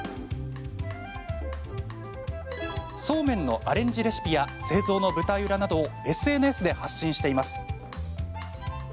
そうめんのアレンジレシピや製造の舞台裏などをＳＮＳで発信しています。